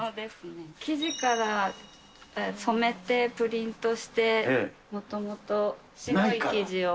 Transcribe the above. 生地から染めてプリントして、もともと白い生地を。